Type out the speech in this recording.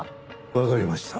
わかりました。